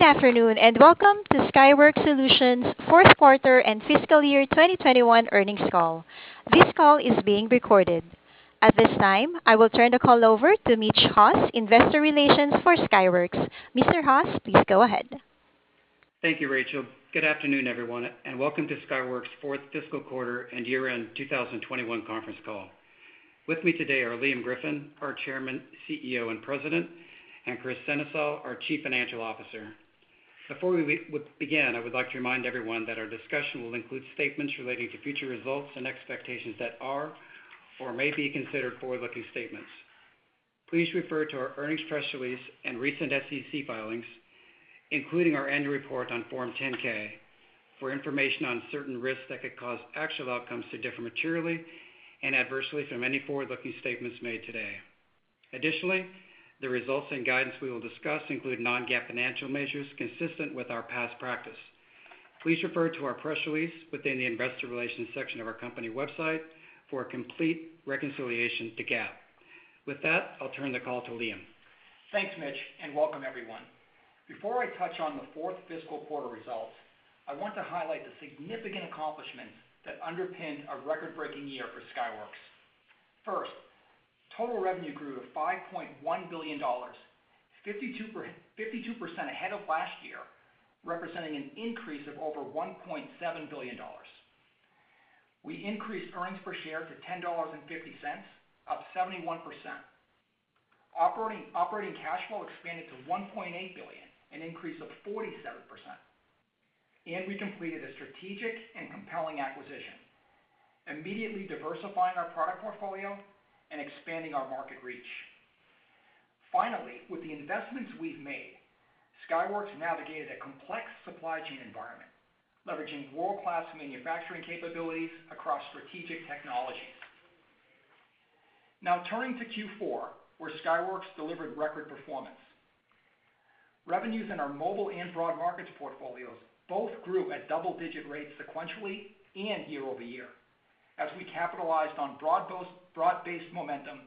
Good afternoon, and welcome to Skyworks Solutions' fourth quarter and fiscal year 2021 earnings call. This call is being recorded. At this time, I will turn the call over to Mitch Haws, investor relations for Skyworks. Mr. Haws, please go ahead. Thank you, Rachel. Good afternoon, everyone, and welcome to Skyworks' fourth fiscal quarter and year-end 2021 conference call. With me today are Liam Griffin, our Chairman, CEO, and President, and Kris Sennesael, our Chief Financial Officer. Before we begin, I would like to remind everyone that our discussion will include statements relating to future results and expectations that are or may be considered forward-looking statements. Please refer to our earnings press release and recent SEC filings, including our annual report on Form 10-K, for information on certain risks that could cause actual outcomes to differ materially and adversely from any forward-looking statements made today. Additionally, the results and guidance we will discuss include non-GAAP financial measures consistent with our past practice. Please refer to our press release within the investor relations section of our company website for a complete reconciliation to GAAP. With that, I'll turn the call to Liam. Thanks, Mitch, and welcome everyone. Before I touch on the fourth fiscal quarter results, I want to highlight the significant accomplishments that underpinned a record-breaking year for Skyworks. First, total revenue grew to $5.1 billion, 52% ahead of last year, representing an increase of over $1.7 billion. We increased earnings per share to $10.50, up 71%. Operating cash flow expanded to $1.8 billion, an increase of 47%. We completed a strategic and compelling acquisition, immediately diversifying our product portfolio and expanding our market reach. Finally, with the investments we've made, Skyworks navigated a complex supply chain environment, leveraging world-class manufacturing capabilities across strategic technologies. Now turning to Q4, where Skyworks delivered record performance. Revenues in our mobile and broad markets portfolios both grew at double-digit rates sequentially and year-over-year as we capitalized on broad-based momentum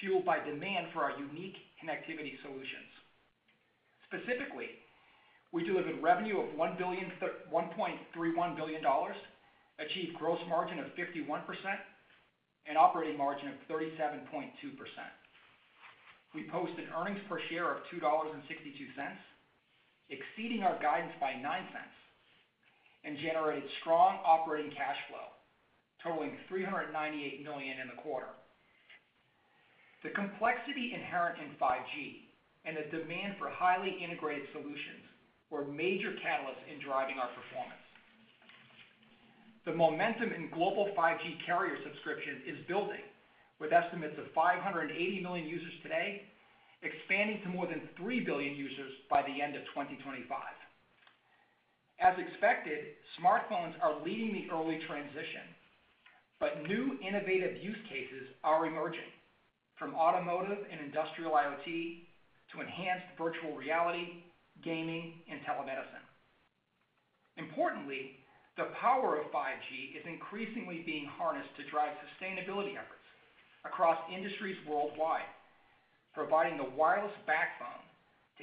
fueled by demand for our unique connectivity solutions. Specifically, we delivered revenue of $1.31 billion, achieved gross margin of 51% and operating margin of 37.2%. We posted earnings per share of $2.62, exceeding our guidance by $0.09, and generated strong operating cash flow totaling $398 million in the quarter. The complexity inherent in 5G and the demand for highly integrated solutions were major catalysts in driving our performance. The momentum in global 5G carrier subscription is building with estimates of 580 million users today, expanding to more than 3 billion users by the end of 2025. As expected, smartphones are leading the early transition, but new innovative use cases are emerging from automotive and industrial IoT to enhanced virtual reality, gaming, and telemedicine. Importantly, the power of 5G is increasingly being harnessed to drive sustainability efforts across industries worldwide, providing the wireless backbone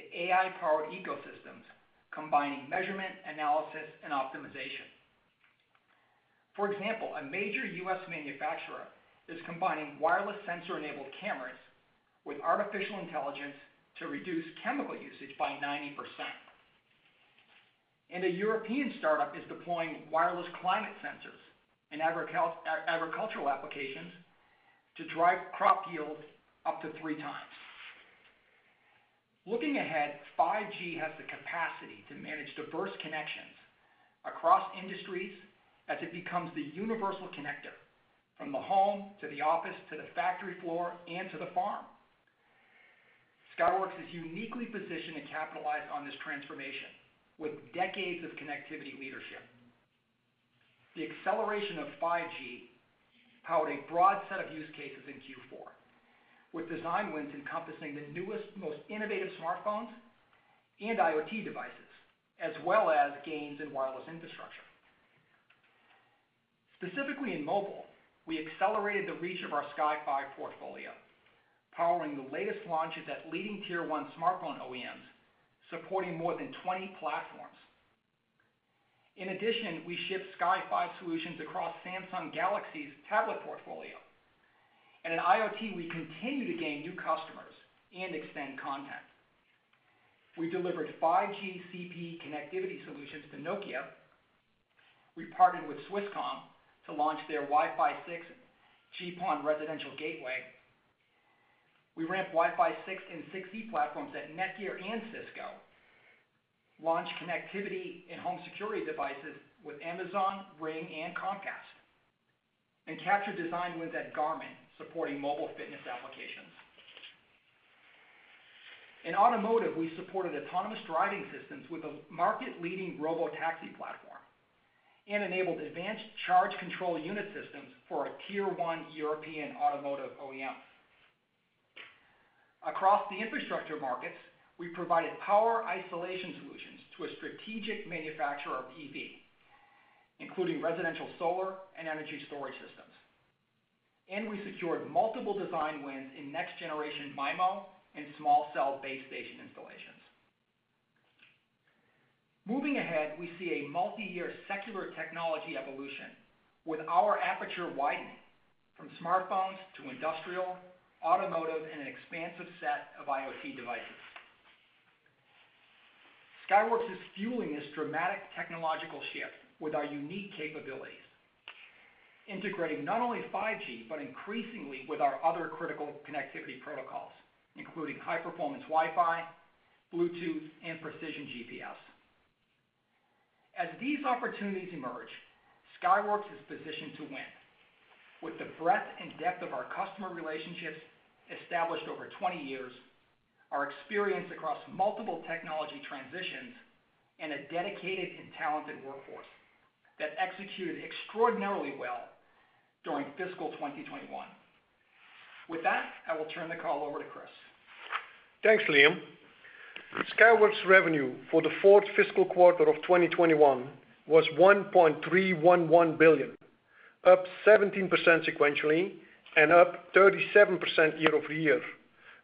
to AI-powered ecosystems combining measurement, analysis, and optimization. For example, a major U.S. manufacturer is combining wireless sensor-enabled cameras with artificial intelligence to reduce chemical usage by 90%. A European startup is deploying wireless climate sensors in agricultural applications to drive crop yields up to three times. Looking ahead, 5G has the capacity to manage diverse connections across industries as it becomes the universal connector from the home to the office to the factory floor and to the farm. Skyworks is uniquely positioned to capitalize on this transformation with decades of connectivity leadership. The acceleration of 5G powered a broad set of use cases in Q4, with design wins encompassing the newest, most innovative smartphones and IoT devices, as well as gains in wireless infrastructure. Specifically in mobile, we accelerated the reach of our Sky5 portfolio, powering the latest launches at leading tier one smartphone OEMs, supporting more than 20 platforms. In addition, we shipped Sky5 solutions across Samsung Galaxy's tablet portfolio. In IoT, we continue to gain new customers and extend content. We delivered 5G CPE connectivity solutions to Nokia. We partnered with Swisscom to launch their Wi-Fi 6 GPON residential gateway. We ramped Wi-Fi 6 and 6E platforms at NETGEAR and Cisco, launched connectivity and home security devices with Amazon, Ring, and Comcast, and captured design wins at Garmin supporting mobile fitness applications. In automotive, we supported autonomous driving systems with a market-leading robotaxi platform and enabled advanced charge control unit systems for a tier-one European automotive OEM. Across the infrastructure markets, we provided power isolation solutions to a strategic manufacturer of EV, including residential solar and energy storage systems. We secured multiple design wins in next generation MIMO and small cell base station installations. Moving ahead, we see a multi-year secular technology evolution with our aperture widening from smartphones to industrial, automotive, and an expansive set of IoT devices. Skyworks is fueling this dramatic technological shift with our unique capabilities, integrating not only 5G, but increasingly with our other critical connectivity protocols, including high-performance Wi-Fi, Bluetooth, and precision GPS. As these opportunities emerge, Skyworks is positioned to win. With the breadth and depth of our customer relationships established over 20 years, our experience across multiple technology transitions, and a dedicated and talented workforce that executed extraordinarily well during fiscal 2021. With that, I will turn the call over to Chris. Thanks, Liam. Skyworks' revenue for the fourth fiscal quarter of 2021 was $1.311 billion, up 17% sequentially and up 37% year-over-year,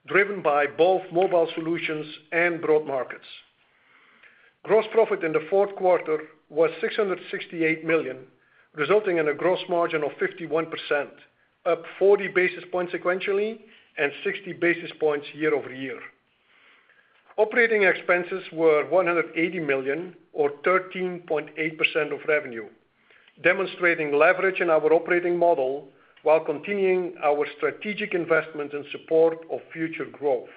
driven by both mobile solutions and broad markets. Gross profit in the fourth quarter was $668 million, resulting in a gross margin of 51%, up 40 basis points sequentially and 60 basis points year-over-year. Operating expenses were $180 million or 13.8% of revenue, demonstrating leverage in our operating model while continuing our strategic investment in support of future growth.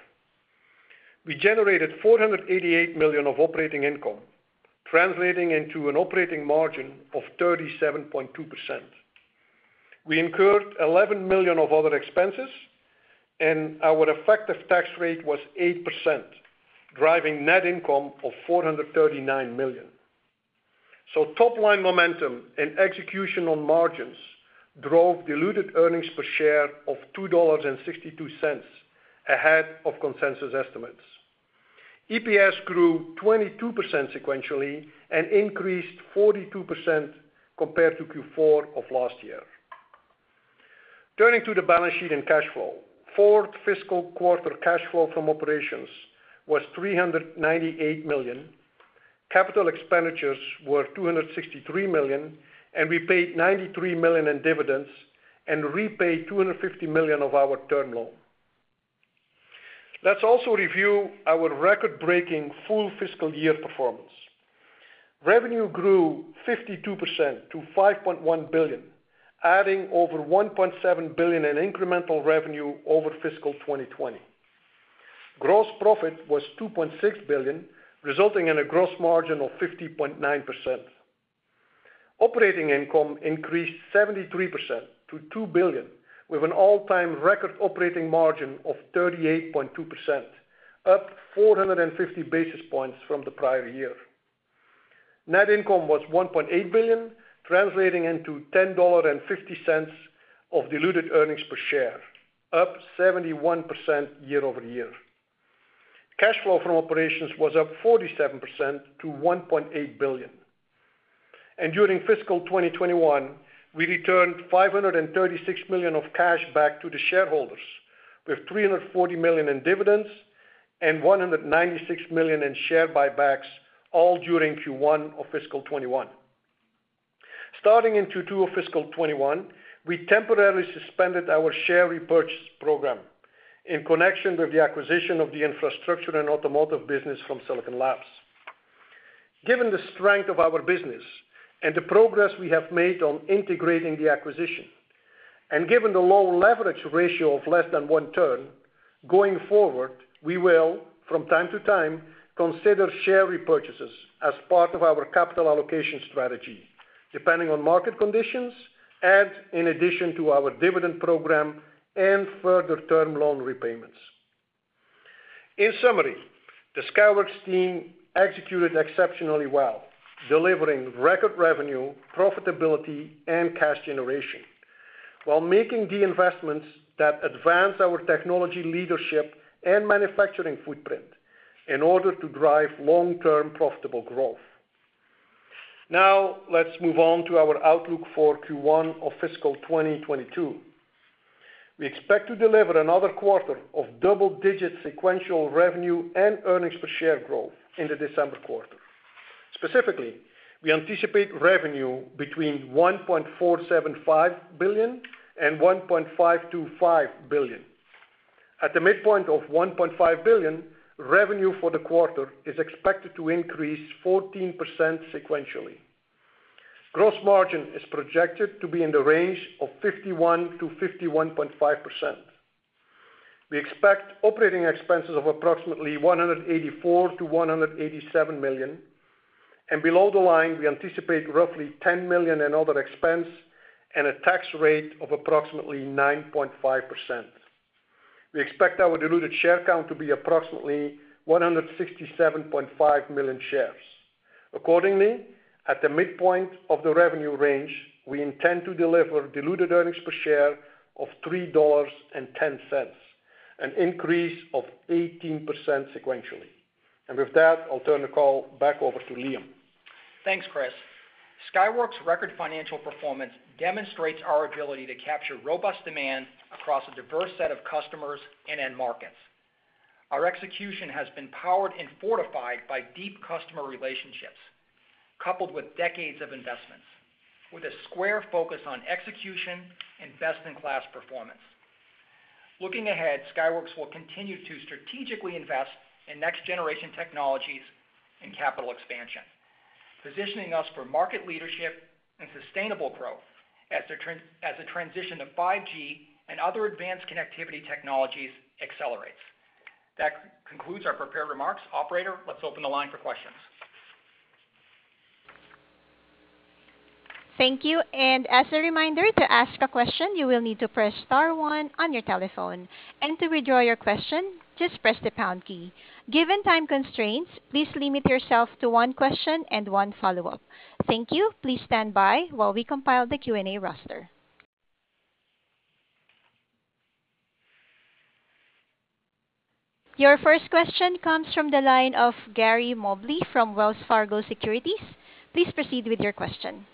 We generated $488 million of operating income, translating into an operating margin of 37.2%. We incurred $11 million of other expenses, and our effective tax rate was 8%, driving net income of $439 million. Top-line momentum and execution on margins drove diluted earnings per share of $2.62 ahead of consensus estimates. EPS grew 22% sequentially and increased 42% compared to Q4 of last year. Turning to the balance sheet and cash flow. Fourth fiscal quarter cash flow from operations was $398 million. Capital expenditures were $263 million, and we paid $93 million in dividends and repaid $250 million of our term loan. Let's also review our record-breaking full fiscal year performance. Revenue grew 52% to $5.1 billion, adding over $1.7 billion in incremental revenue over fiscal 2020. Gross profit was $2.6 billion, resulting in a gross margin of 50.9%. Operating income increased 73% to $2 billion, with an all-time record operating margin of 38.2%, up 450 basis points from the prior year. Net income was $1.8 billion, translating into $10.50 of diluted earnings per share, up 71% year-over-year. Cash flow from operations was up 47% to $1.8 billion. During fiscal 2021, we returned $536 million of cash back to the shareholders, with $340 million in dividends and $196 million in share buybacks, all during Q1 of fiscal 2021. Starting in Q2 of fiscal 2021, we temporarily suspended our share repurchase program in connection with the acquisition of the infrastructure and automotive business from Silicon Labs. Given the strength of our business and the progress we have made on integrating the acquisition, and given the low leverage ratio of less than one turn, going forward, we will, from time to time, consider share repurchases as part of our capital allocation strategy, depending on market conditions and in addition to our dividend program and further term loan repayments. In summary, the Skyworks team executed exceptionally well, delivering record revenue, profitability, and cash generation while making the investments that advance our technology leadership and manufacturing footprint in order to drive long-term profitable growth. Now, let's move on to our outlook for Q1 of fiscal 2022. We expect to deliver another quarter of double-digit sequential revenue and earnings per share growth in the December quarter. Specifically, we anticipate revenue between $1.475 billion and $1.525 billion. At the midpoint of $1.5 billion, revenue for the quarter is expected to increase 14% sequentially. Gross margin is projected to be in the range of 51%-51.5%. We expect operating expenses of approximately $184 million-$187 million. Below the line, we anticipate roughly $10 million in other expense and a tax rate of approximately 9.5%. We expect our diluted share count to be approximately 167.5 million shares. Accordingly, at the midpoint of the revenue range, we intend to deliver diluted earnings per share of $3.10, an increase of 18% sequentially. With that, I'll turn the call back over to Liam. Thanks, Kris. Skyworks' record financial performance demonstrates our ability to capture robust demand across a diverse set of customers and end markets. Our execution has been powered and fortified by deep customer relationships, coupled with decades of investments, with a sharp focus on execution and best-in-class performance. Looking ahead, Skyworks will continue to strategically invest in next-generation technologies and capital expansion, positioning us for market leadership and sustainable growth as the transition to 5G and other advanced connectivity technologies accelerates. That concludes our prepared remarks. Operator, let's open the line for questions. Thank you. As a reminder, to ask a question you will need to press star one on your telephone. To withdraw your question, just press the pound key. Given time constraints, please limit yourself to one question and one follow-up. Thank you. Please stand by while we compile the Q&A roster. Your first question comes from the line of Gary Mobley from Wells Fargo Securities. Please proceed with your question.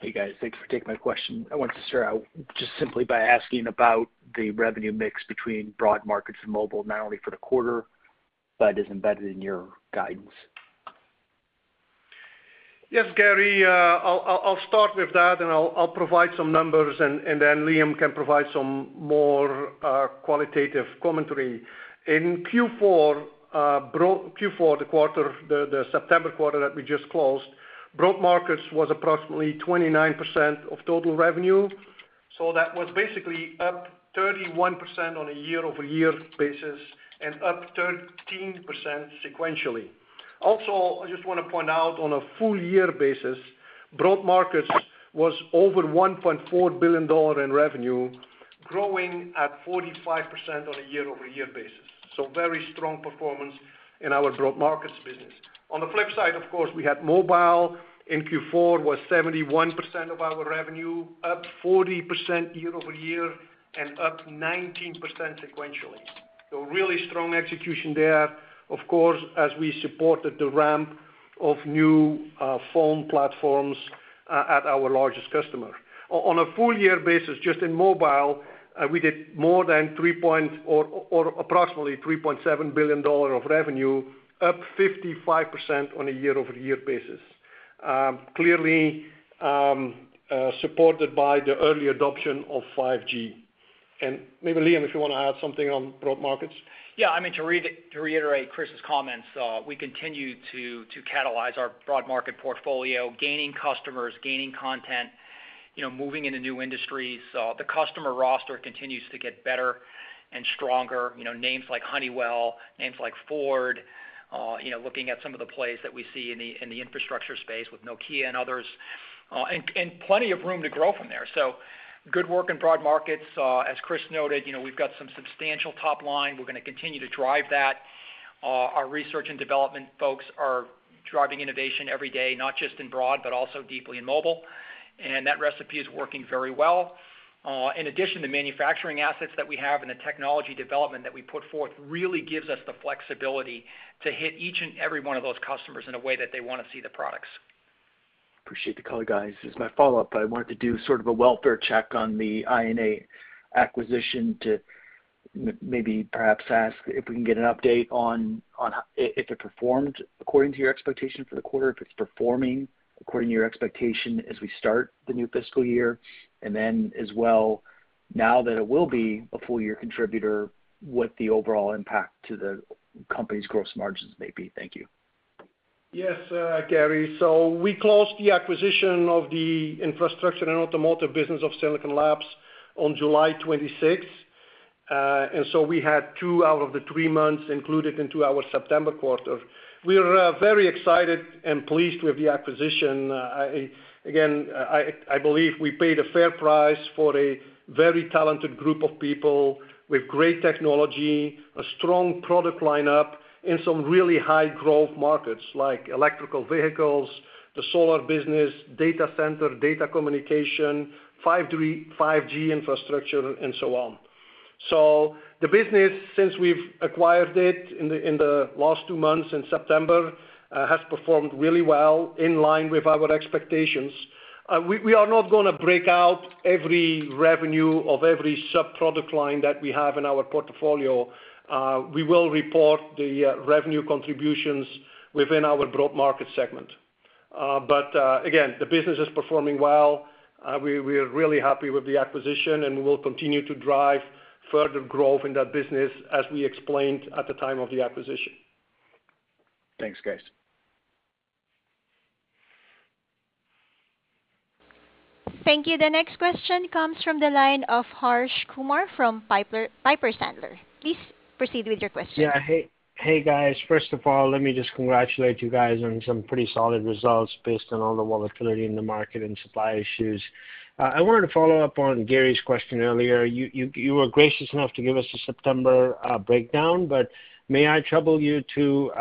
Hey, guys. Thanks for taking my question. I want to start out just simply by asking about the revenue mix between broad markets and mobile, not only for the quarter, but as embedded in your guidance. Yes, Gary, I'll start with that, and I'll provide some numbers and then Liam can provide some more qualitative commentary. In Q4, the September quarter that we just closed, Broad Markets was approximately 29% of total revenue. That was basically up 31% on a year-over-year basis and up 13% sequentially. Also, I just wanna point out, on a full year basis, Broad Markets was over $1.4 billion in revenue, growing at 45% on a year-over-year basis. Very strong performance in our Broad Markets business. On the flip side, of course, Mobile in Q4 was 71% of our revenue, up 40% year-over-year and up 19% sequentially. Really strong execution there, of course, as we supported the ramp of new phone platforms at our largest customer. On a full-year basis, just in mobile, we did more than approximately $3.7 billion of revenue, up 55% on a year-over-year basis, clearly supported by the early adoption of 5G. Maybe Liam, if you wanna add something on broad markets. Yeah. I mean to reiterate Chris' comments, we continue to catalyze our broad market portfolio, gaining customers, gaining content, you know, moving into new industries. The customer roster continues to get better and stronger. You know, names like Honeywell, names like Ford, you know, looking at some of the plays that we see in the infrastructure space with Nokia and others, and plenty of room to grow from there. Good work in broad markets. As Chris noted, you know, we've got some substantial top line. We're gonna continue to drive that. Our research and development folks are driving innovation every day, not just in broad, but also deeply in mobile, and that recipe is working very well. In addition, the manufacturing assets that we have and the technology development that we put forth really gives us the flexibility to hit each and every one of those customers in a way that they wanna see the products. Appreciate the color, guys. As my follow-up, I wanted to do sort of a welfare check on the I&A acquisition to maybe perhaps ask if we can get an update on if it performed according to your expectation for the quarter, if it's performing according to your expectation as we start the new fiscal year. As well, now that it will be a full year contributor, what the overall impact to the company's gross margins may be. Thank you. Yes, Gary. We closed the acquisition of the infrastructure and automotive business of Silicon Labs on July 26. We had two out of the three months included into our September quarter. We are very excited and pleased with the acquisition. Again, I believe we paid a fair price for a very talented group of people with great technology, a strong product lineup in some really high growth markets like electric vehicles, the solar business, data center, data communication, 5G infrastructure and so on. The business, since we've acquired it in the last two months in September, has performed really well in line with our expectations. We are not gonna break out every revenue of every sub-product line that we have in our portfolio. We will report the revenue contributions within our broad market segment. Again, the business is performing well. We are really happy with the acquisition, and we will continue to drive further growth in that business as we explained at the time of the acquisition. Thanks, guys. Thank you. The next question comes from the line of Harsh Kumar from Piper Sandler. Please proceed with your question. Yeah. Hey, guys. First of all, let me just congratulate you guys on some pretty solid results based on all the volatility in the market and supply issues. I wanted to follow up on Gary's question earlier. You were gracious enough to give us a September breakdown, but may I trouble you to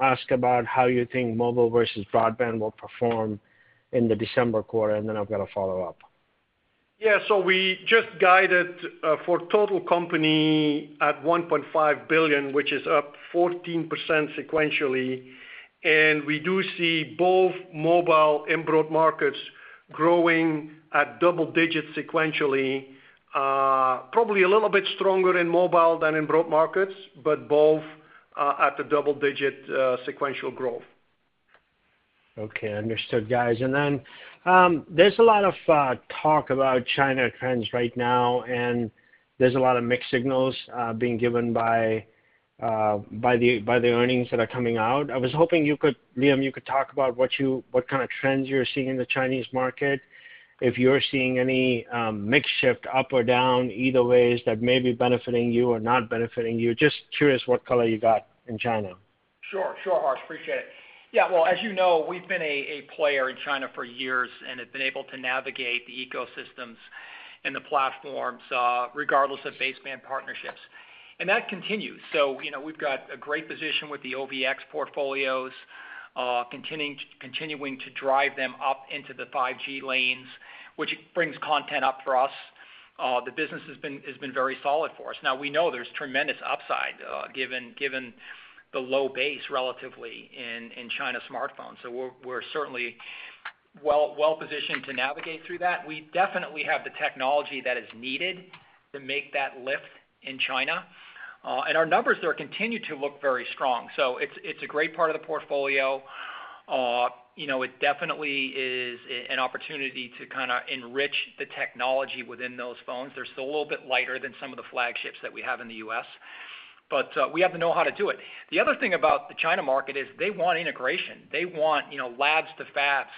ask about how you think Mobile versus Broad Markets will perform in the December quarter? I've got a follow-up. We just guided for total company at $1.5 billion, which is up 14% sequentially, and we do see both mobile and broad markets growing at double digits sequentially. Probably a little bit stronger in mobile than in broad markets, but both at a double-digit sequential growth. Okay. Understood, guys. There's a lot of talk about China trends right now, and there's a lot of mixed signals being given by the earnings that are coming out. I was hoping, Liam, you could talk about what kind of trends you're seeing in the Chinese market, if you're seeing any mix shift up or down, either ways that may be benefiting you or not benefiting you. Just curious what color you got in China. Sure, Harsh. Appreciate it. Yeah. Well, as you know, we've been a player in China for years and have been able to navigate the ecosystems and the platforms, regardless of baseband partnerships, and that continues. You know, we've got a great position with the OVX portfolios, continuing to drive them up into the 5G lanes, which brings content up for us. The business has been very solid for us. Now, we know there's tremendous upside, given the low base relatively in China smartphones. We're certainly well-positioned to navigate through that. We definitely have the technology that is needed to make that lift in China. Our numbers there continue to look very strong. It's a great part of the portfolio. You know, it definitely is an opportunity to kinda enrich the technology within those phones. They're still a little bit lighter than some of the flagships that we have in the US, but we have the know-how to do it. The other thing about the China market is they want integration. They want, you know, labs to fabs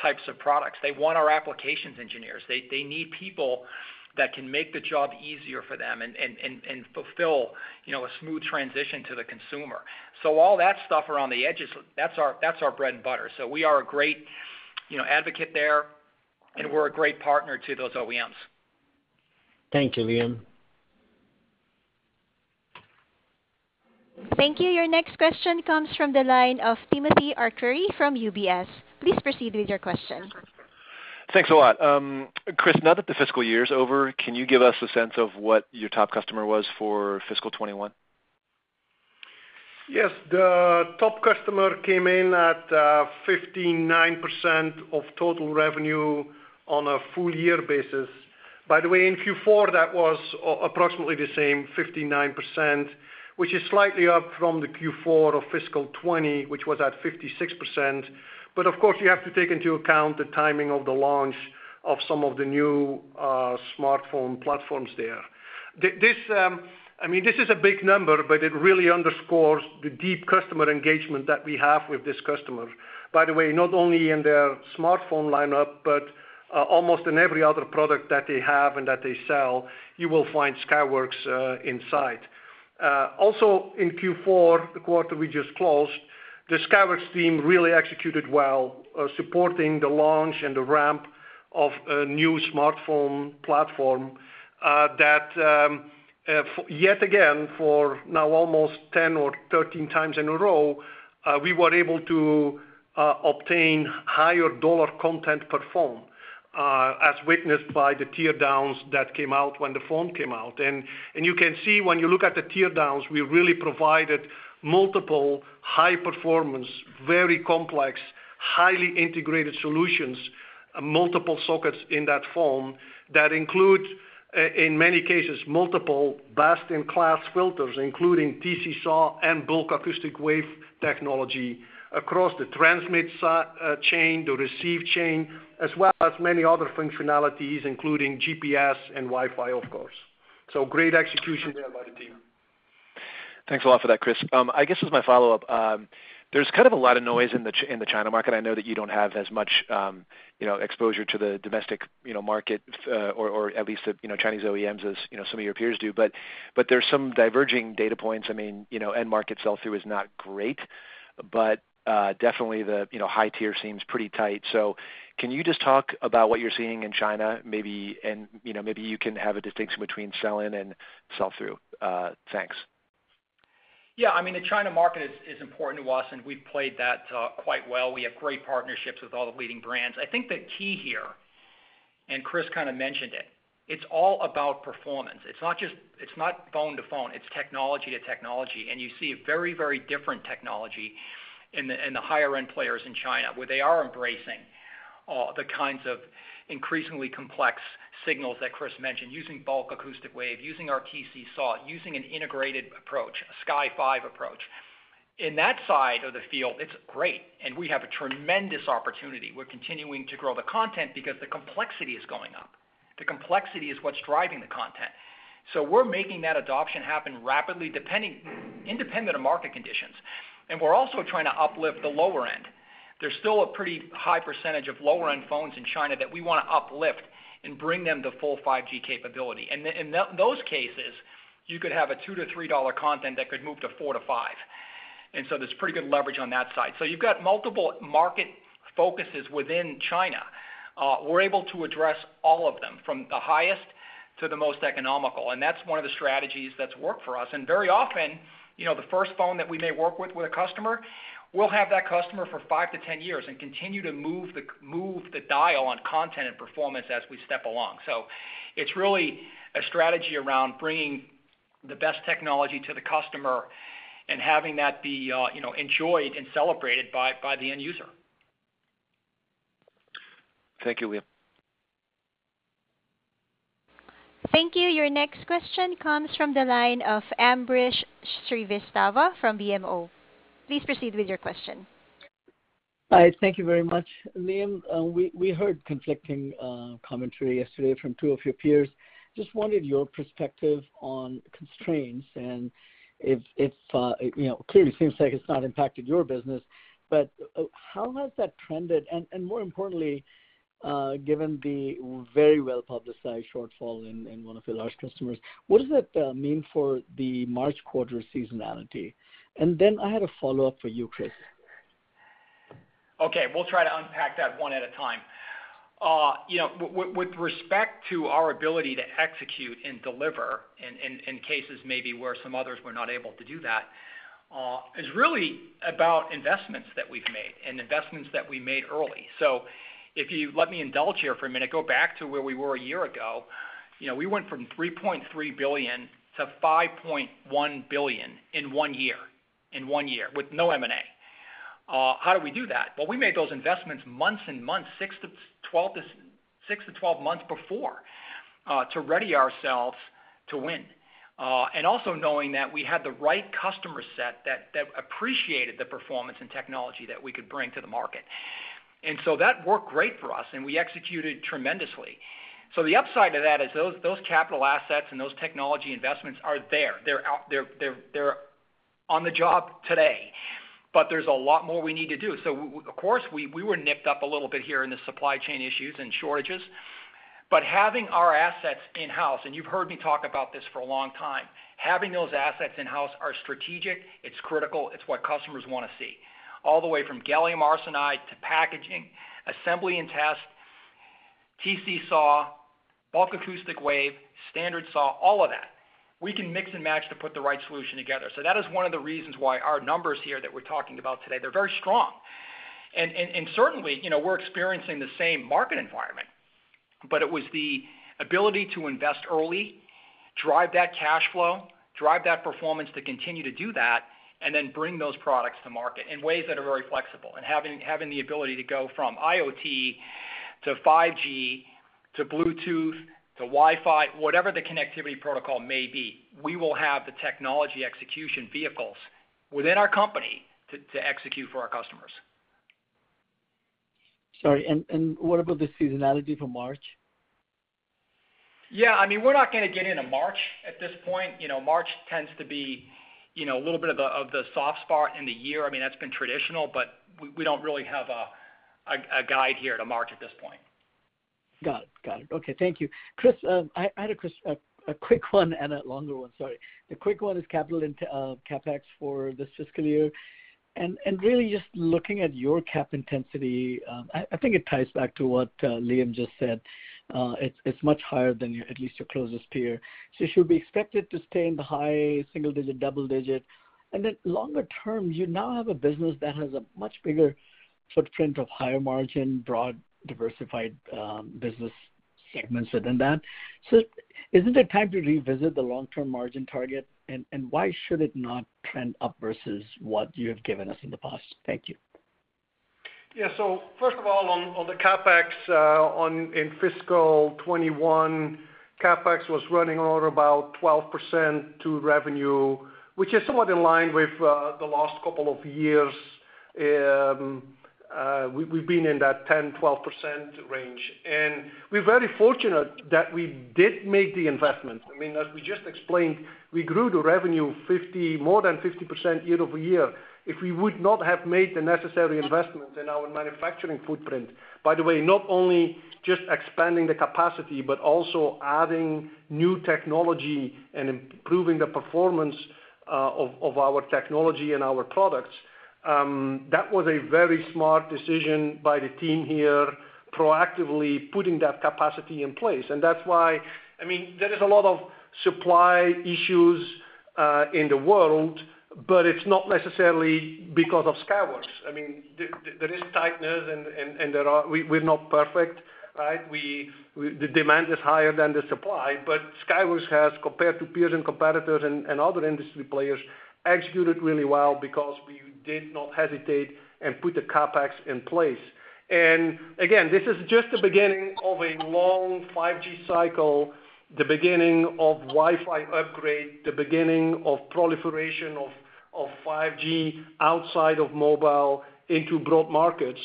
types of products. They want our applications engineers. They need people that can make the job easier for them and fulfill, you know, a smooth transition to the consumer. All that stuff around the edges, that's our bread and butter. We are a great, you know, advocate there, and we're a great partner to those OEMs. Thank you, Liam. Thank you. Your next question comes from the line of Timothy Arcuri from UBS. Please proceed with your question. Thanks a lot. Chris, now that the fiscal year is over, can you give us a sense of what your top customer was for fiscal 2021? Yes. The top customer came in at 59% of total revenue on a full year basis. By the way, in Q4, that was approximately the same 59%, which is slightly up from the Q4 of fiscal 2020, which was at 56%. Of course, you have to take into account the timing of the launch of some of the new smartphone platforms there. This, I mean, this is a big number, but it really underscores the deep customer engagement that we have with this customer. By the way, not only in their smartphone lineup, but almost in every other product that they have and that they sell, you will find Skyworks inside. Also in Q4, the quarter we just closed, the Skyworks team really executed well, supporting the launch and the ramp of a new smartphone platform, that yet again, for now almost 10 or 13 times in a row, we were able to obtain higher dollar content per phone, as witnessed by the teardowns that came out when the phone came out. You can see when you look at the teardowns, we really provided multiple high performance, very complex, highly integrated solutions, multiple sockets in that phone that include in many cases, multiple best-in-class filters, including TC SAW and bulk acoustic wave technology across the transmit chain, the receive chain, as well as many other functionalities, including GPS and Wi-Fi, of course. Great execution there by the team. Thanks a lot for that, Chris. I guess as my follow-up, there's kind of a lot of noise in the China market. I know that you don't have as much, you know, exposure to the domestic, you know, market, or at least, you know, Chinese OEMs as, you know, some of your peers do. But there's some diverging data points. I mean, you know, end market sell-through is not great, but definitely the, you know, high tier seems pretty tight. So can you just talk about what you're seeing in China? Maybe and, you know, maybe you can have a distinction between sell-in and sell-through. Thanks. Yeah. I mean, the China market is important to us, and we've played that quite well. We have great partnerships with all the leading brands. I think the key here, and Chris kind of mentioned it's all about performance. It's not phone to phone, it's technology to technology. You see a very, very different technology in the higher end players in China, where they are embracing the kinds of increasingly complex signals that Chris mentioned, using bulk acoustic wave, using our TC SAW, using an integrated approach, a Sky5 approach. In that side of the field, it's great, and we have a tremendous opportunity. We're continuing to grow the content because the complexity is going up. The complexity is what's driving the content. We're making that adoption happen rapidly, independent of market conditions. We're also trying to uplift the lower end. There's still a pretty high percentage of lower end phones in China that we wanna uplift and bring them to full 5G capability. In those cases, you could have $2-$3 content that could move to $4-$5, and there's pretty good leverage on that side. You've got multiple market focuses within China. We're able to address all of them from the highest to the most economical, and that's one of the strategies that's worked for us. Very often, you know, the first phone that we may work with a customer, we'll have that customer for five to 10 years and continue to move the dial on content and performance as we step along. It's really a strategy around bringing the best technology to the customer and having that be, you know, enjoyed and celebrated by the end user. Thank you, Liam. Thank you. Your next question comes from the line of Ambrish Srivastava from BMO. Please proceed with your question. Hi, thank you very much. Liam, we heard conflicting commentary yesterday from two of your peers. Just wondered your perspective on constraints and if you know, clearly it seems like it's not impacted your business, but how has that trended? More importantly, given the very well-publicized shortfall in one of your large customers, what does that mean for the March quarter seasonality? I had a follow-up for you, Chris. Okay, we'll try to unpack that one at a time. You know, with respect to our ability to execute and deliver in cases maybe where some others were not able to do that, is really about investments that we've made and investments that we made early. If you let me indulge here for a minute, go back to where we were a year ago, you know, we went from $3.3 billion to $5.1 billion in one year with no M&A. How do we do that? Well, we made those investments months and months six to12 months before to ready ourselves to win. And also knowing that we had the right customer set that appreciated the performance and technology that we could bring to the market. That worked great for us, and we executed tremendously. The upside to that is those capital assets and those technology investments are there. They're on the job today. There's a lot more we need to do. Of course, we were nipped up a little bit here in the supply chain issues and shortages. Having our assets in-house, and you've heard me talk about this for a long time, having those assets in-house are strategic, it's critical, it's what customers wanna see. All the way from gallium arsenide to packaging, assembly and test, TC SAW, bulk acoustic wave, standard SAW, all of that. We can mix and match to put the right solution together. That is one of the reasons why our numbers here that we're talking about today, they're very strong. Certainly, you know, we're experiencing the same market environment, but it was the ability to invest early, drive that cash flow, drive that performance to continue to do that, and then bring those products to market in ways that are very flexible. Having the ability to go from IoT to 5G, to Bluetooth, to Wi-Fi, whatever the connectivity protocol may be, we will have the technology execution vehicles within our company to execute for our customers. Sorry, what about the seasonality for March? Yeah. I mean, we're not gonna get into March at this point. You know, March tends to be, you know, a little bit of a soft spot in the year. I mean, that's been traditional, but we don't really have a guide here to March at this point. Got it. Okay, thank you. Chris, I had a quick one and a longer one, sorry. The quick one is capital and CapEx for this fiscal year. Really just looking at your CapEx intensity, I think it ties back to what Liam just said. It's much higher than at least your closest peer. Should we expect it to stay in the high single digit, double digit? Then longer term, you now have a business that has a much bigger footprint of higher margin, broad, diversified business segments within that. Isn't it time to revisit the long-term margin target? Why should it not trend up versus what you have given us in the past? Thank you. Yeah. First of all, on the CapEx in fiscal 2021, CapEx was running around about 12% to revenue, which is somewhat in line with the last couple of years. We've been in that 10, 12% range. We're very fortunate that we did make the investment. I mean, as we just explained, we grew the revenue more than 50% year-over-year. If we would not have made the necessary investments in our manufacturing footprint, by the way, not only just expanding the capacity, but also adding new technology and improving the performance of our technology and our products, that was a very smart decision by the team here, proactively putting that capacity in place. That's why. I mean, there is a lot of supply issues in the world, but it's not necessarily because of Skyworks. I mean, there is tightness and there are. We're not perfect, right? The demand is higher than the supply, but Skyworks has, compared to peers and competitors and other industry players, executed really well because we did not hesitate and put the CapEx in place. Again, this is just the beginning of a long 5G cycle, the beginning of Wi-Fi upgrade, the beginning of proliferation of 5G outside of mobile into broad markets.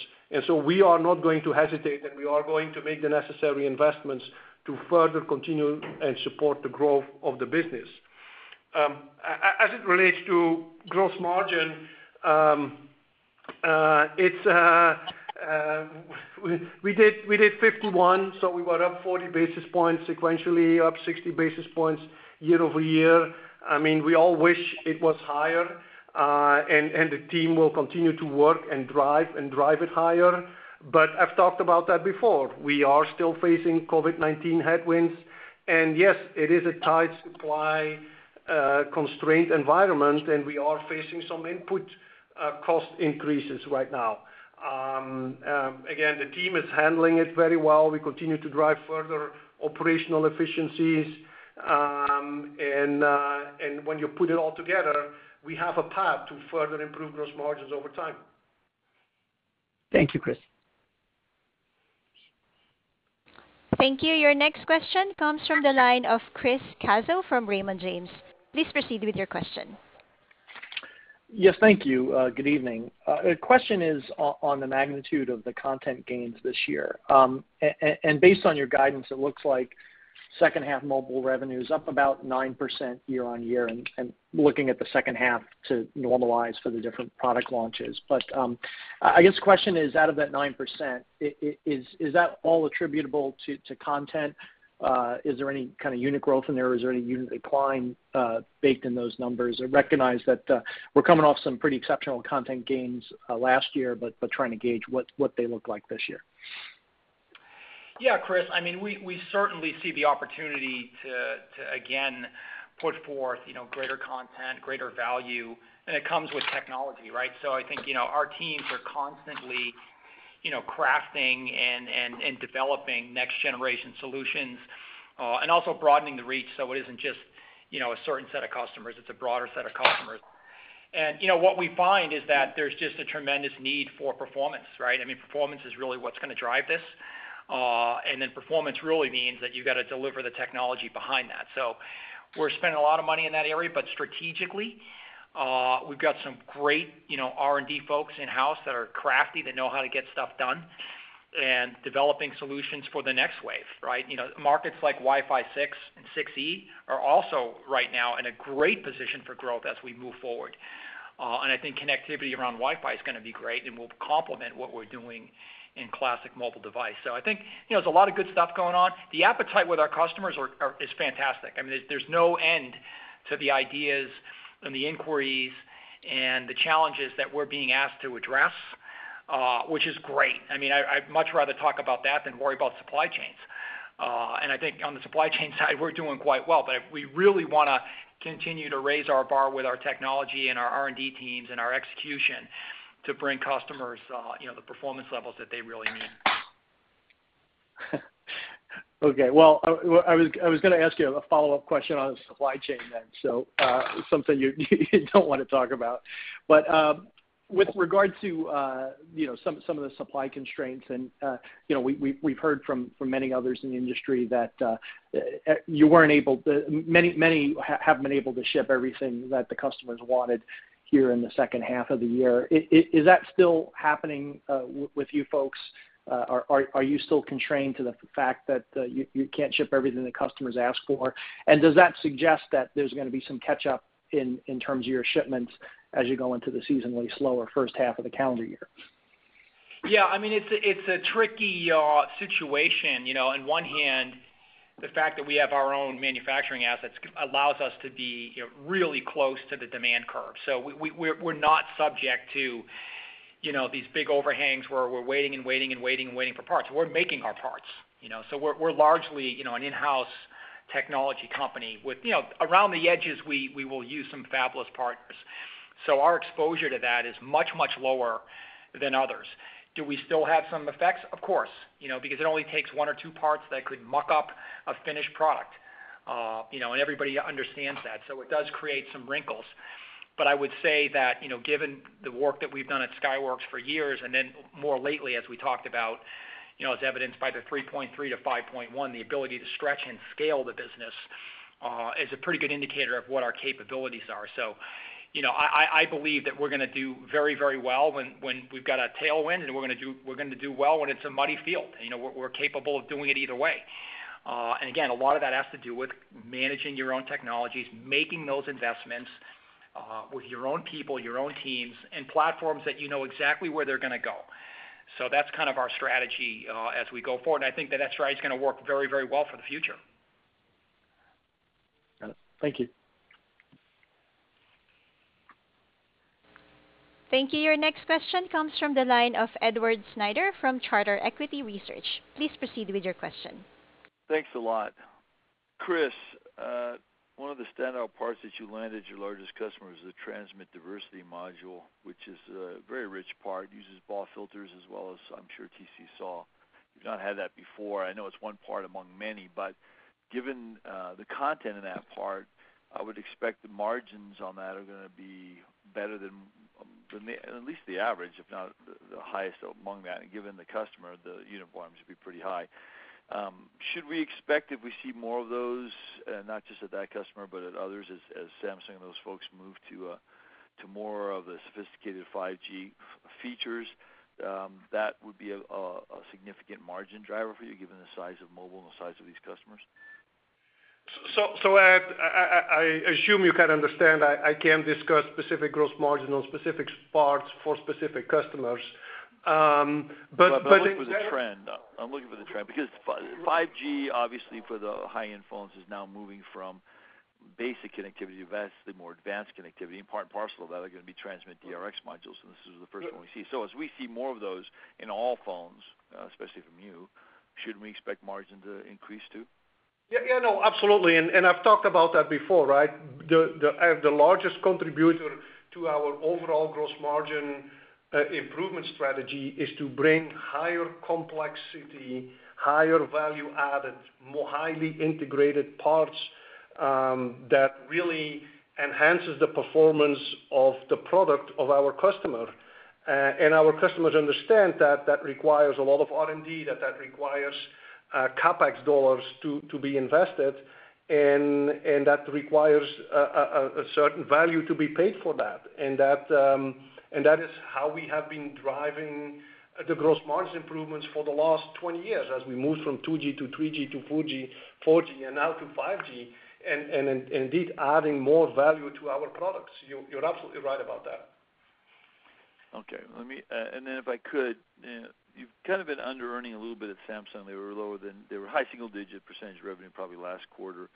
We are not going to hesitate, and we are going to make the necessary investments to further continue and support the growth of the business. As it relates to gross margin, it's We did 51%, so we were up 40 basis points sequentially, up 60 basis points year-over-year. I mean, we all wish it was higher, and the team will continue to work and drive it higher. I've talked about that before. We are still facing COVID-19 headwinds, and yes, it is a tight supply constraint environment, and we are facing some input cost increases right now. Again, the team is handling it very well. We continue to drive further operational efficiencies. When you put it all together, we have a path to further improve gross margins over time. Thank you, Chris. Thank you. Your next question comes from the line of Chris Caso from Raymond James. Please proceed with your question. Yes, thank you. Good evening. The question is on the magnitude of the content gains this year. Based on your guidance, it looks like second half mobile revenue is up about 9% year-on-year, and looking at the second half to normalize for the different product launches. I guess the question is, out of that 9%, is that all attributable to content? Is there any kind of unit growth in there, or is there any unit decline baked in those numbers? I recognize that we're coming off some pretty exceptional content gains last year, trying to gauge what they look like this year. Yeah, Chris, I mean, we certainly see the opportunity to again put forth, you know, greater content, greater value, and it comes with technology, right? I think, you know, our teams are constantly, you know, crafting and developing next generation solutions and also broadening the reach, so it isn't just, you know, a certain set of customers, it's a broader set of customers. You know, what we find is that there's just a tremendous need for performance, right? I mean, performance is really what's gonna drive this. Performance really means that you've got to deliver the technology behind that. We're spending a lot of money in that area, but strategically, we've got some great, you know, R&D folks in-house that are crafty, that know how to get stuff done and developing solutions for the next wave, right? You know, markets like Wi-Fi 6 and 6E are also right now in a great position for growth as we move forward. I think connectivity around Wi-Fi is gonna be great, and will complement what we're doing in classic mobile device. I think, you know, there's a lot of good stuff going on. The appetite with our customers is fantastic. I mean, there's no end to the ideas and the inquiries and the challenges that we're being asked to address, which is great. I mean, I'd much rather talk about that than worry about supply chains. I think on the supply chain side, we're doing quite well. We really wanna continue to raise our bar with our technology and our R&D teams and our execution to bring customers, you know, the performance levels that they really need. Okay, well, I was gonna ask you a follow-up question on supply chain then. Something you don't wanna talk about. With regard to, you know, some of the supply constraints and, you know, we've heard from many others in the industry that many haven't been able to ship everything that the customers wanted here in the second half of the year. Is that still happening with you folks? Are you still constrained to the fact that you can't ship everything the customers ask for? Does that suggest that there's gonna be some catch-up in terms of your shipments as you go into the seasonally slower first half of the calendar year? Yeah. I mean, it's a tricky situation. You know, on one hand, the fact that we have our own manufacturing assets allows us to be, you know, really close to the demand curve. We're not subject to, you know, these big overhangs where we're waiting for parts. We're making our parts, you know. We're largely, you know, an in-house technology company with, you know, around the edges, we will use some fabulous partners. Our exposure to that is much lower than others. Do we still have some effects? Of course, you know, because it only takes one or two parts that could muck up a finished product, you know, and everybody understands that, so it does create some wrinkles. I would say that, you know, given the work that we've done at Skyworks for years, and then more lately as we talked about, you know, as evidenced by the 3.3-5.1, the ability to stretch and scale the business is a pretty good indicator of what our capabilities are. You know, I believe that we're gonna do very well when we've got a tailwind and we're gonna do well when it's a muddy field. You know, we're capable of doing it either way. And again, a lot of that has to do with managing your own technologies, making those investments, with your own people, your own teams, and platforms that you know exactly where they're gonna go. That's kind of our strategy as we go forward, and I think that strategy is gonna work very, very well for the future. Got it. Thank you. Thank you. Your next question comes from the line of Edward Snyder from Charter Equity Research. Please proceed with your question. Thanks a lot. Chris, one of the standout parts that you landed your largest customer is the transmit diversity module, which is a very rich part, uses BAW filters as well as, I'm sure, TC SAW. You've not had that before. I know it's one part among many, but given the content in that part, I would expect the margins on that are gonna be better than the average, if not the highest among that. Given the customer, the unit volumes should be pretty high. Should we expect that we see more of those, not just at that customer, but at others as Samsung and those folks move to more of the sophisticated 5G features? That would be a significant margin driver for you, given the size of mobile and the size of these customers. Ed, I assume you can understand I can't discuss specific gross margin on specific parts for specific customers. But I'm looking for the trend, though. I'm looking for the trend because 5G, obviously, for the high-end phones is now moving from basic connectivity to vastly more advanced connectivity, and part and parcel of that are gonna be transmit DRx modules, and this is the first one we see. As we see more of those in all phones, especially from you, should we expect margin to increase, too? Yeah, no, absolutely. I've talked about that before, right? The largest contributor to our overall gross margin improvement strategy is to bring higher complexity, higher value added, more highly integrated parts that really enhances the performance of the product of our customer. Our customers understand that requires a lot of R&D, that requires CapEx dollars to be invested, and that requires a certain value to be paid for that. That is how we have been driving the gross margin improvements for the last 20 years as we moved from 2G to 3G to 4G and now to 5G, indeed adding more value to our products. You're absolutely right about that. Okay. Then, if I could, you've kind of been under-earning a little bit at Samsung. They were high single-digit percentage revenue probably last quarter,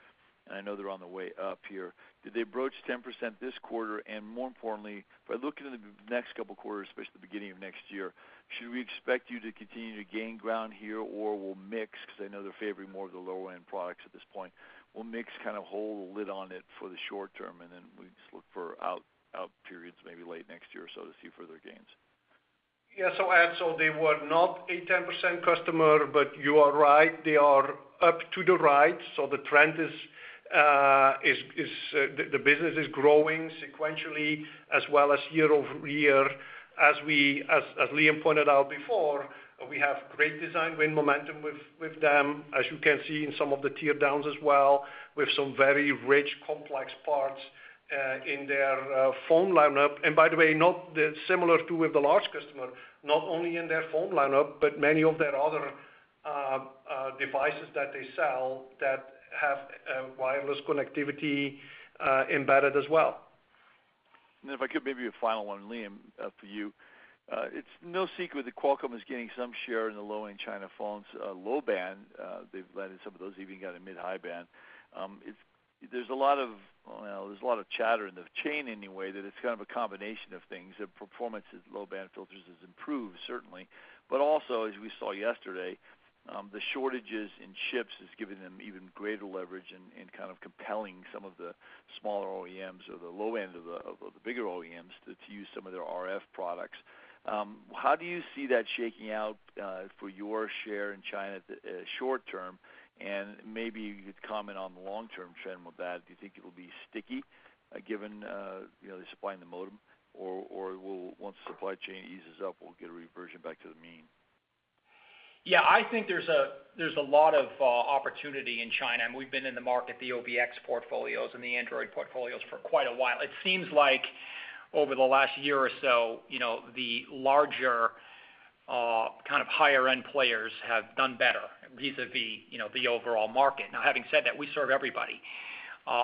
and I know they're on the way up here. Did they breach 10% this quarter? And more importantly, if I look into the next couple quarters, especially the beginning of next year, should we expect you to continue to gain ground here, or will mix, because I know they're favoring more of the lower end products at this point, will mix kind of hold a lid on it for the short term, and then we just look for longer periods maybe late next year or so to see further gains? Yeah. Ed, they were not a 10% customer, but you are right, they are up and to the right. The trend is the business is growing sequentially as well as year over year. As Liam pointed out before, we have great design win momentum with them, as you can see in some of the teardowns as well, with some very rich, complex parts in their phone lineup. By the way, similar to the large customer, not only in their phone lineup, but many of their other devices that they sell that have wireless connectivity embedded as well. If I could, maybe a final one, Liam, for you. It's no secret that Qualcomm is gaining some share in the low-end China phones, low band. They've landed some of those, even got a mid-high band. There's a lot of chatter in the chain anyway that it's kind of a combination of things. The performance of low-band filters has improved certainly. But also, as we saw yesterday, the shortages in chips have given them even greater leverage and kind of compelling some of the smaller OEMs or the low end of the bigger OEMs to use some of their RF products. How do you see that shaking out for your share in China at the short term? Maybe you could comment on the long-term trend with that. Do you think it'll be sticky, given, you know, the supply in the modem? Or will, once the supply chain eases up, we'll get a reversion back to the mean? Yeah. I think there's a lot of opportunity in China, and we've been in the market, the OVX portfolios and the Android portfolios for quite a while. It seems like over the last year or so, you know, the larger kind of higher end players have done better vis-à-vis, you know, the overall market. Now having said that, we serve everybody.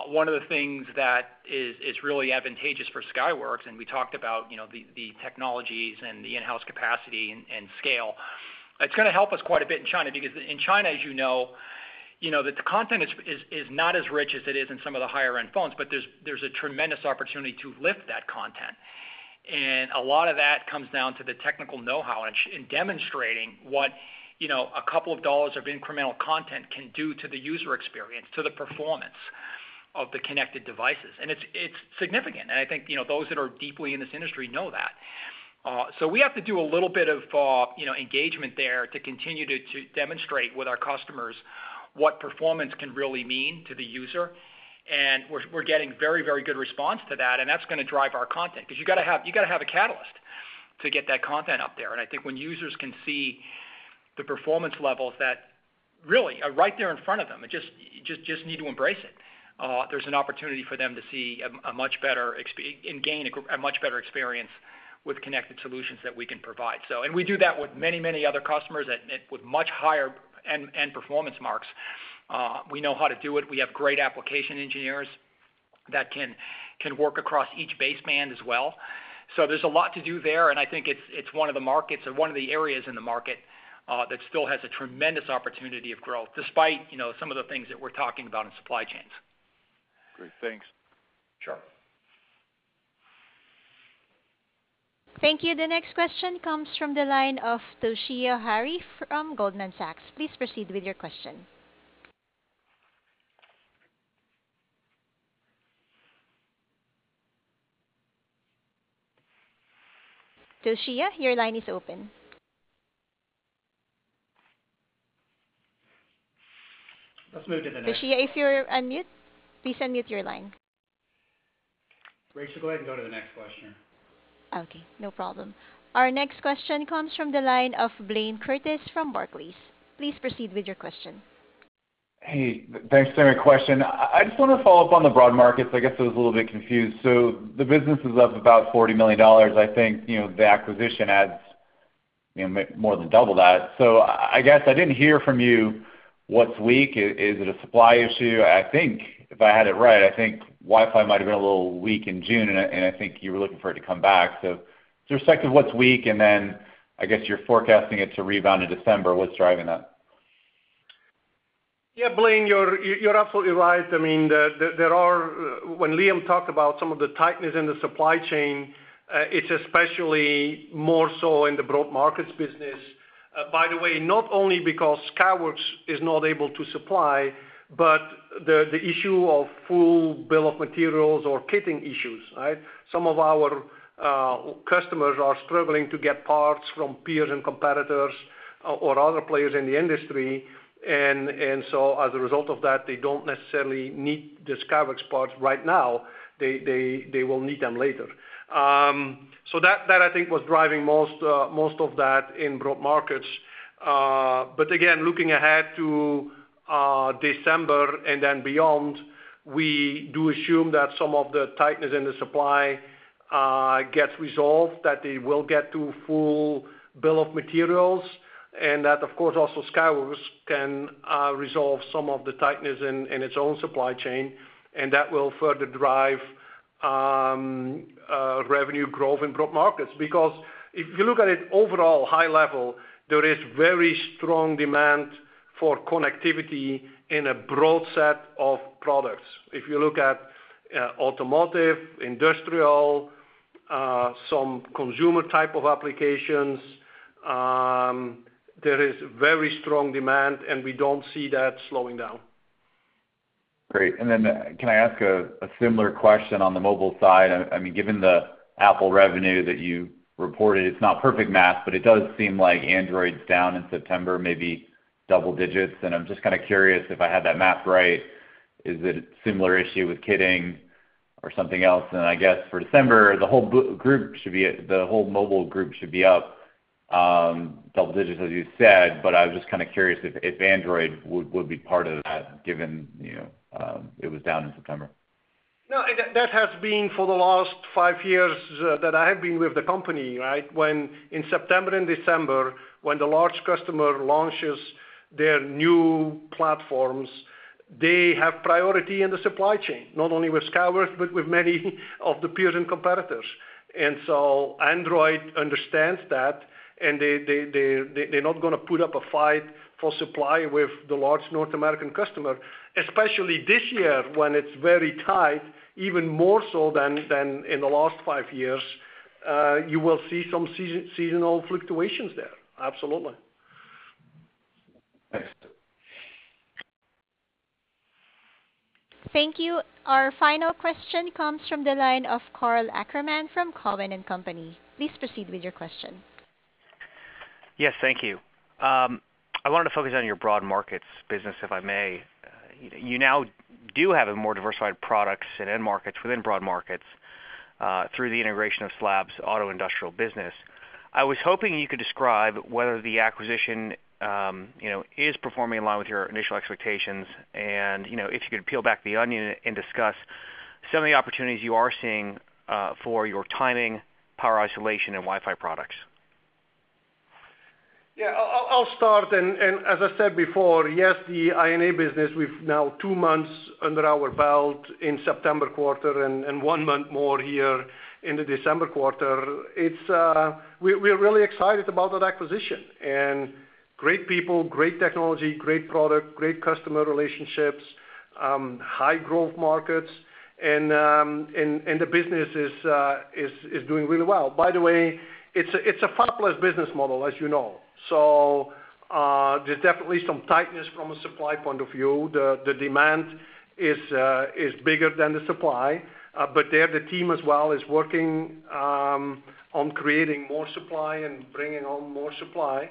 One of the things that is really advantageous for Skyworks, and we talked about, you know, the technologies and the in-house capacity and scale, it's gonna help us quite a bit in China because in China, as you know, you know, the content is not as rich as it is in some of the higher end phones, but there's a tremendous opportunity to lift that content. A lot of that comes down to the technical know-how and in demonstrating what, you know, a couple of dollars of incremental content can do to the user experience, to the performance of the connected devices. It's significant. I think, you know, those that are deeply in this industry know that. So we have to do a little bit of, you know, engagement there to continue to demonstrate with our customers what performance can really mean to the user. We're getting very, very good response to that, and that's gonna drive our content. 'Cause you gotta have a catalyst to get that content up there. I think when users can see the performance levels that really are right there in front of them and just need to embrace it, there's an opportunity for them to see a much better experience with connected solutions that we can provide. We do that with many other customers with much higher end performance marks. We know how to do it. We have great application engineers that can work across each baseband as well. There's a lot to do there, and I think it's one of the markets or one of the areas in the market that still has a tremendous opportunity of growth despite you know some of the things that we're talking about in supply chains. Great. Thanks. Sure. Thank you. The next question comes from the line of Toshiya Hari from Goldman Sachs. Please proceed with your question. Toshiya, your line is open. Let's move to the next. Toshiya, if you're on mute, please unmute your line. Rachel, go ahead and go to the next question. Okay, no problem. Our next question comes from the line of Blayne Curtis from Barclays. Please proceed with your question. Hey, thanks for taking my question. I just wanna follow up on the broad markets. I guess I was a little bit confused. The business is up about $40 million. I think, you know, the acquisition adds You know, more than double that. I guess I didn't hear from you what's weak. Is it a supply issue? I think, if I had it right, I think Wi-Fi might've been a little weak in June, and I think you were looking for it to come back. Just recap of what's weak, and then I guess you're forecasting it to rebound in December. What's driving that? Yeah, Blayne, you're absolutely right. I mean, there are. When Liam talked about some of the tightness in the supply chain, it's especially more so in the Broad Markets business. By the way, not only because Skyworks is not able to supply, but the issue of full bill of materials or kitting issues, right? Some of our customers are struggling to get parts from peers and competitors or other players in the industry. So as a result of that, they don't necessarily need the Skyworks parts right now. They will need them later. So that I think was driving most of that in Broad Markets. Again, looking ahead to December and then beyond, we do assume that some of the tightness in the supply gets resolved, that they will get to full bill of materials, and that, of course, also Skyworks can resolve some of the tightness in its own supply chain, and that will further drive revenue growth in Broad Markets. Because if you look at it overall high level, there is very strong demand for connectivity in a broad set of products. If you look at automotive, industrial, some consumer type of applications, there is very strong demand, and we don't see that slowing down. Great. Then can I ask a similar question on the mobile side? I mean, given the Apple revenue that you reported, it's not perfect math, but it does seem like Android's down in September, maybe double digits. I'm just kinda curious if I have that math right. Is it a similar issue with kitting or something else? I guess for December, the whole mobile group should be up double digits, as you said, but I was just kinda curious if Android would be part of that given you know it was down in September. No, that has been for the last five years that I have been with the company, right? When in September and December, when the large customer launches their new platforms, they have priority in the supply chain, not only with Skyworks, but with many of the peers and competitors. Android understands that, and they're not gonna put up a fight for supply with the large North American customer, especially this year when it's very tight, even more so than in the last five years. You will see some seasonal fluctuations there, absolutely. Thanks. Thank you. Our final question comes from the line of Karl Ackerman from Cowen and Company. Please proceed with your question. Yes, thank you. I wanted to focus on your Broad Markets business, if I may. You now do have a more diversified products and end markets within Broad Markets, through the integration of SLAB's auto and industrial business. I was hoping you could describe whether the acquisition, you know, is performing in line with your initial expectations and, you know, if you could peel back the onion and discuss some of the opportunities you are seeing, for your timing, power isolation and Wi-Fi products. Yeah. I'll start. As I said before, yes, the I&A business, we've now two months under our belt in September quarter and one month more here in the December quarter. We are really excited about that acquisition, and great people, great technology, great product, great customer relationships, high growth markets and the business is doing really well. By the way, it's a fabless business model, as you know. There's definitely some tightness from a supply point of view. The demand is bigger than the supply, but the team as well is working on creating more supply and bringing on more supply.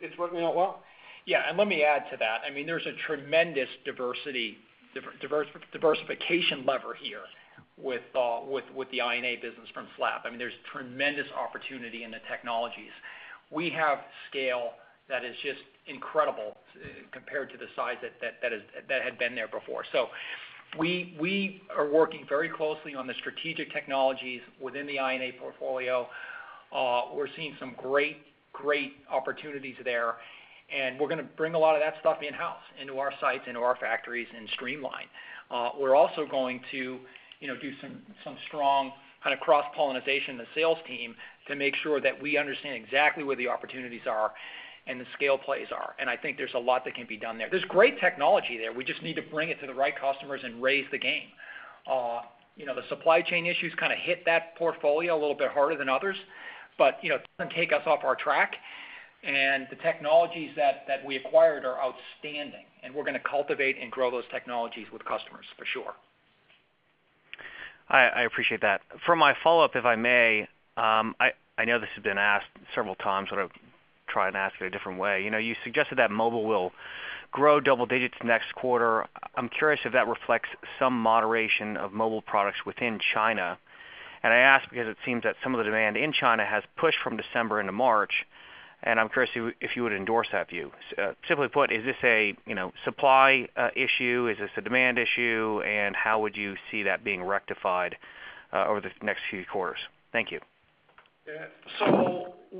It's working out well. Yeah, let me add to that. I mean, there's a tremendous diversification lever here with the I&A business from SLAB. I mean, there's tremendous opportunity in the technologies. We have scale that is just incredible compared to the size that had been there before. We are working very closely on the strategic technologies within the I&A portfolio. We're seeing some great opportunities there, and we're gonna bring a lot of that stuff in-house into our sites, into our factories and streamline. We're also going to, you know, do some strong kind of cross-pollination in the sales team to make sure that we understand exactly where the opportunities are and the scale plays are, and I think there's a lot that can be done there. There's great technology there. We just need to bring it to the right customers and raise the game. You know, the supply chain issues kind of hit that portfolio a little bit harder than others, but, you know, it doesn't take us off our track. The technologies that we acquired are outstanding, and we're gonna cultivate and grow those technologies with customers for sure. I appreciate that. For my follow-up, if I may, I know this has been asked several times, but I'll try and ask it a different way. You know, you suggested that mobile will grow double digits next quarter. I'm curious if that reflects some moderation of mobile products within China. I ask because it seems that some of the demand in China has pushed from December into March, and I'm curious if you would endorse that view. Simply put, is this a you know, supply issue? Is this a demand issue, and how would you see that being rectified over the next few quarters? Thank you. Yeah.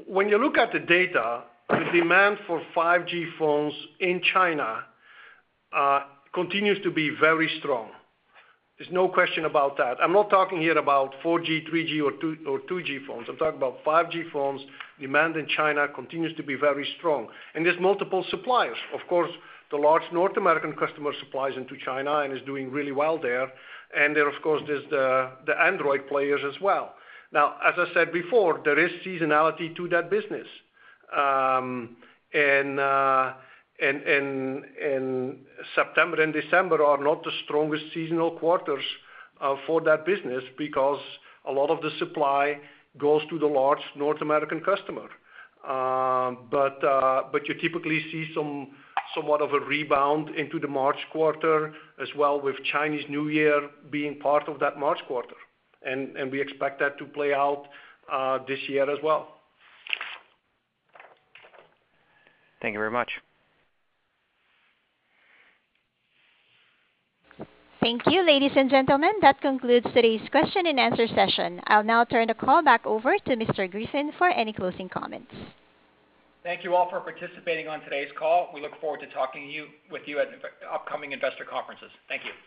When you look at the data, the demand for 5G phones in China continues to be very strong. There's no question about that. I'm not talking here about 4G, 3G, or 2G phones. I'm talking about 5G phones. Demand in China continues to be very strong. There's multiple suppliers. Of course, the large North American customer supplies into China and is doing really well there. There, of course, there's the Android players as well. Now, as I said before, there is seasonality to that business. September and December are not the strongest seasonal quarters for that business because a lot of the supply goes to the large North American customer. You typically see somewhat of a rebound into the March quarter as well with Chinese New Year being part of that March quarter. We expect that to play out this year as well. Thank you very much. Thank you, ladies and gentlemen. That concludes today's question and answer session. I'll now turn the call back over to Mr. Griffin for any closing comments. Thank you all for participating on today's call. We look forward to talking with you at upcoming investor conferences. Thank you.